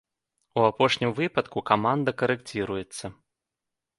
У апошнім выпадку каманда карэкціруецца.